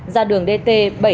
ra đường dt bảy trăm năm mươi ba